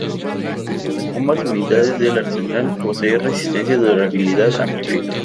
Ambas unidades del Arsenal, posee resistencia y durabilidad amplificada.